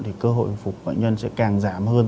thì cơ hội hồi phục bệnh nhân sẽ càng giảm hơn